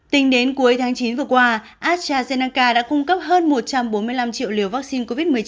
tính đến cuối tháng chín vừa qua astrazeneca đã cung cấp hơn một trăm bốn mươi năm triệu liều vaccine covid một mươi chín